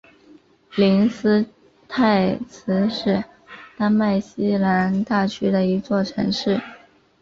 灵斯泰兹是丹麦西兰大区的一座城市。